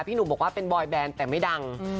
หนุ่มบอกว่าเป็นบอยแบนแต่ไม่ดัง